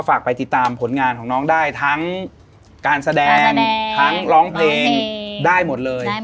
ฝากไปติดตามผลงานของน้องได้ทั้งการแสดงทั้งร้องเพลงได้หมดเลย